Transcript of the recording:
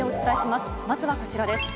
まずはこちらです。